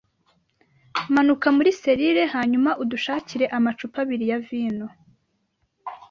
Manuka muri selire hanyuma udushakire amacupa abiri ya vino.